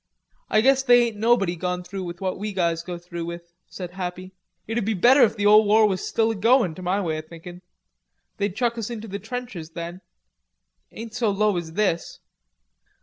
"I guess they ain't nobody gone through what we guys go through with," said Happy. "It'd be better if the ole war was still a' goin', to my way o' thinkin'. They'd chuck us into the trenches then. Ain't so low as this."